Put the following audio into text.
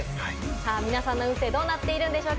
さぁ皆さんの運勢はどうなっているんでしょうか？